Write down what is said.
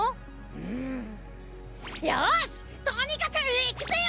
うんよしとにかくいくぜよ！